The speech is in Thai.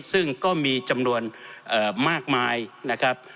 ซึ่งก็มีจำนวนมากมายนะครับ